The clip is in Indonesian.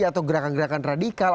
atau gerakan gerakan radikal